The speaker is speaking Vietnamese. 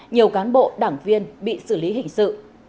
nhiều cán bộ đảng viên bị xử lý hình sự